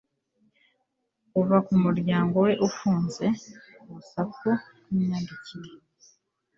Kuva kumuryango we ufunze urusaku rwimyandikire